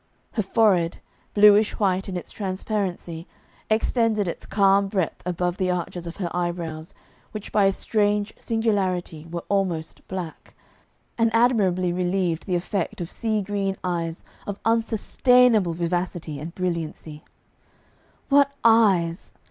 Her forehead, bluish white in its transparency, extended its calm breadth above the arches of her eyebrows, which by a strange singularity were almost black, and admirably relieved the effect of sea green eyes of unsustainable vivacity and brilliancy. What eyes!